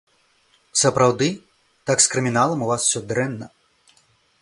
Сапраўды, так з крыміналам у вас усё дрэнна?